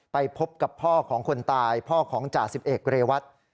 ไปพบกับพ่อของคนตายพ่อของจ่าสิบเอกเรวัต